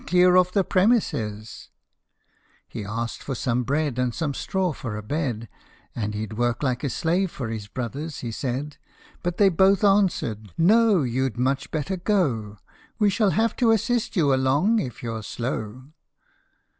Clear off the premises !"' He asked for some bread and some straw for a bed, And he 'd work like a slave for his brothers, he said. But they both answered, " No ! you 'd much better go : We shall have to assist you along if you 're slow